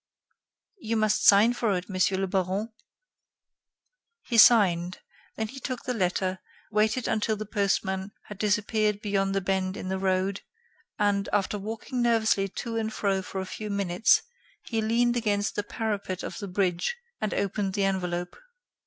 "You must sign for it, Monsieur le Baron." He signed; then took the letter, waited until the postman had disappeared beyond the bend in the road, and, after walking nervously to and fro for a few minutes, he leaned against the parapet of the bridge and opened the envelope.